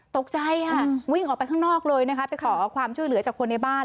ตกใจค่ะวิ่งออกไปข้างนอกเลยนะคะไปขอความช่วยเหลือจากคนในบ้าน